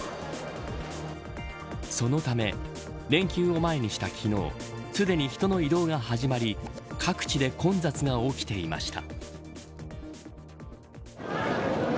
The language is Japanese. そのため連休を前にした昨日すでに人の移動が始まり各地で混雑が起きていました。